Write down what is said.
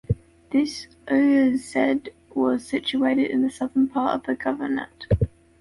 This uyezd was situated in the southern part of the governorate.